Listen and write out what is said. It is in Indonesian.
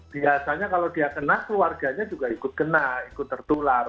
biasanya kalau dia kena keluarganya juga ikut kena ikut tertular